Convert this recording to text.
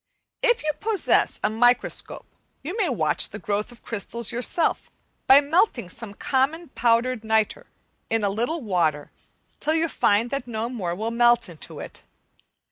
If you possess a microscope you may watch the growth of crystals yourself by melting some common powdered nitre in a little water till you find that no more will melt in it.